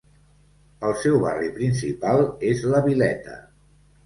El seu barri principal és la Vileta.